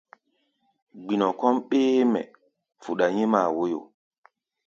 Gbinɔ kɔ́ʼm ɓéémɛ fuɗa nyímáa wóyo.